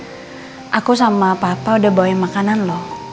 aku sama papa udah bawain makanan loh